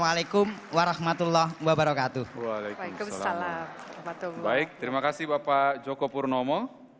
baik terima kasih bapak joko purnomo